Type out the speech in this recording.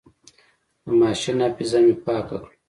د ماشين حافظه مې پاکه کړه.